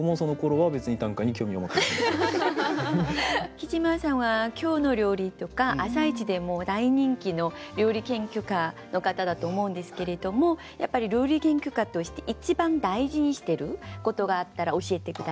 きじまさんは「きょうの料理」とか「あさイチ」でも大人気の料理研究家の方だと思うんですけれどもやっぱり料理研究家として一番大事にしてることがあったら教えて下さい。